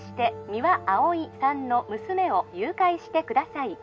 ☎三輪碧さんの娘を誘拐してください